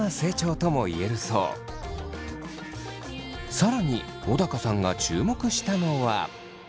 更に小高さんが注目したのは。